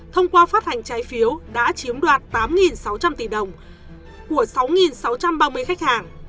thông qua phát hành trái phiếu đã chiếm đoạt tám sáu trăm linh tỷ đồng của sáu sáu trăm ba mươi khách hàng